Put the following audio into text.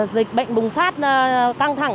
dịch bệnh bùng phát tăng thẳng